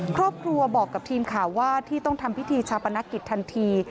ครอบครัวบอกกับทีมข่าวว่าที่ต้องทำพิธีชาปนกิจทันที